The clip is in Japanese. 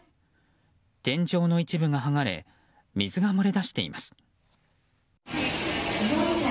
天井の一部が剥がれ水が漏れ出しています。